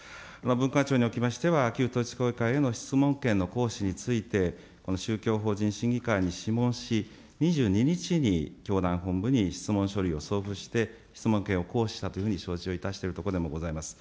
文化庁におきましては、旧統一教会への質問権の行使について、この宗教法人審議会に諮問し、２２日に教団本部に質問書類を送付して、質問権を行使したというふうに承知をいたしているところでもございます。